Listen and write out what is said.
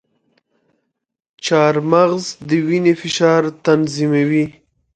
چارمغز د وینې فشار تنظیموي.